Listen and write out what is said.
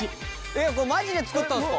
「これマジで作ったんすか？」